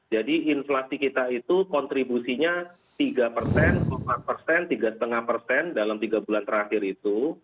jadi inflasi kita itu kontribusinya tiga empat tiga lima dalam tiga bulan terakhir itu